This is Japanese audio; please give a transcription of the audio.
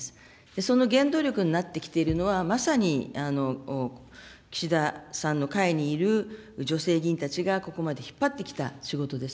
その原動力になってきているのは、まさに岸田さんの会にいる女性議員たちが、ここまで引っ張ってきた仕事です。